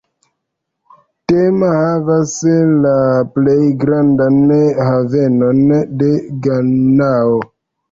Tema havas la plej grandan havenon de Ganao.